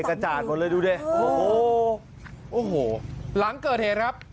กระจาดหมดเลยดูดิโอ้โหโอ้โหหลังเกิดเหตุครับ